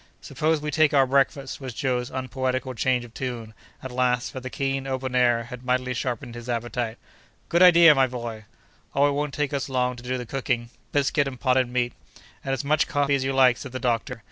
"Suppose we take our breakfast?" was Joe's unpoetical change of tune, at last, for the keen, open air had mightily sharpened his appetite. "Good idea, my boy!" "Oh! it won't take us long to do the cooking—biscuit and potted meat?" "And as much coffee as you like," said the doctor.